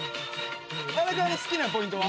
荒川の好きなポイントは？